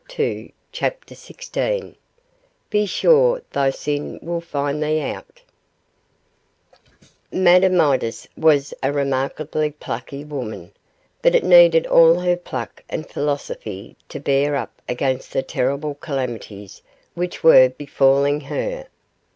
CHAPTER XVI BE SURE THY SIN WILL FIND THEE OUT Madame Midas was a remarkably plucky woman, but it needed all her pluck and philosophy to bear up against the terrible calamities which were befalling her.